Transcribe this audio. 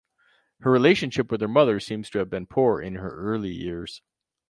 Her relationship with her mother seems to have been poor in her early years.